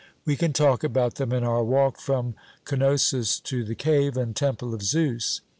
We can talk about them in our walk from Cnosus to the cave and temple of Zeus.